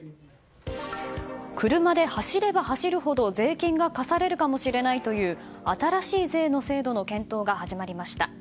車で走れば走るほど、税金が課されるかもしれないという新しい税の制度の検討が始まりました。